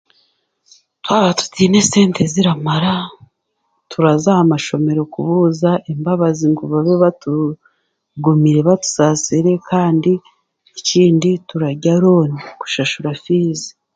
twaba tutaine sente ziramara, turaza aha mashomero kubuuza embabazi ngu batu batugumire batusaasire, kandi ekindi turarya rooni kushashura fiizi